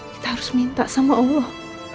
kita harus minta sama allah